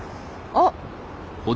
あっ！